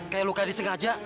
kayak luka disengaja